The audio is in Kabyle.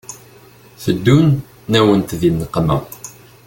Teddun-awent di nneqma.